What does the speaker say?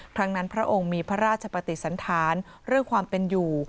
ครั้งนั้นพระองค์มีพระราชปฏิสันธารเรื่องความเป็นอยู่